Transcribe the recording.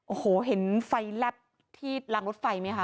โอ้โหเห็นไฟแลบที่รางรถไฟไหมคะ